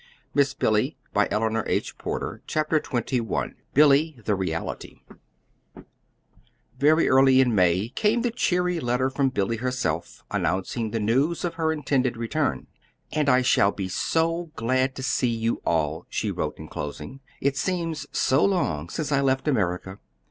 Miss Neilson comes home next month," he said. CHAPTER XXI BILLY, THE REALITY Very early in May came the cheery letter from Billy herself announcing the news of her intended return. "And I shall be so glad to see you all," she wrote in closing. "It seems so long since I left America."